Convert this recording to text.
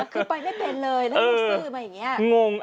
คือไปไม่เป็นเลยแล้วรู้สึมอย่างนี้